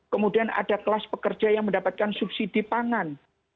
kemudian ada kelas pekerja yang mendapatkan subsidi pangan